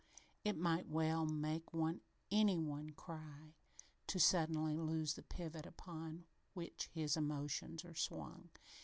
It might well make any one cry to suddenly lose the pivot upon which his emotions are swung.